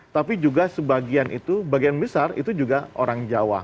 tapi juga sebagian itu bagian besar itu juga orang jawa